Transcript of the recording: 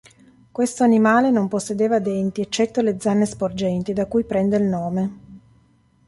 Questo animale non possedeva denti, eccetto le zanne sporgenti, da cui prende il nome.